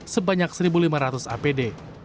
sebanyak satu lima ratus apd